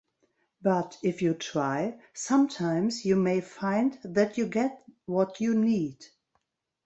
But if you try, sometimes you may find that you get what you need!